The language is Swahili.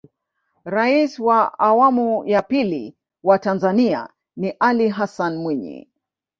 rais wa awamu ya pili wa tanzania ni alli hassan mwinyi